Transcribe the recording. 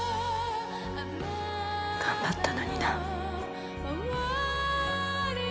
頑張ったのにな。